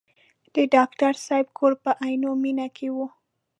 د ډاکټر صاحب کور په عینومېنه کې و.